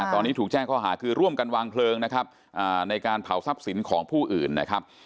ตอนนี้ถูกแจ้งข้อหาคือร่วมกันวางเคลิงในการเผาทรัพย์สินของผู้อื่น